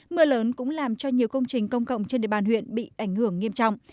mưa lớn cũng làm cho nhiều công trình công cộng trên địa bàn huyện bị ảnh hưởng nghiêm trọng